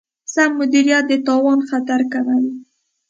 سم مدیریت د تاوان خطر کموي.